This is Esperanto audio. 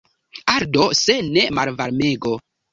Ardo, se ne, malvarmego!